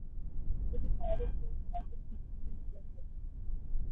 এটি ভারতের কেরল রাজ্যের প্রথম বিমানবন্দর।